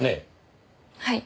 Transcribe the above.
はい。